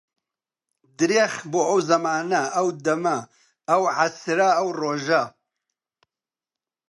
درێخ بۆ ئەو زەمانە، ئەو دەمە، ئەو عەسرە، ئەو ڕۆژە